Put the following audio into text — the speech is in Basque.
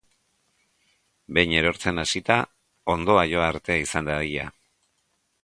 Behin erortzen hasita, hondoa jo arte izan dadila.